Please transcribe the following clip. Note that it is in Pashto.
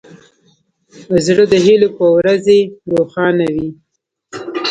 زړه د هیلو په ورځې روښانه وي.